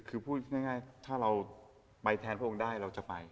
คือพูดง่ายถ้าเราไปแทนพระองค์ได้เราจะไป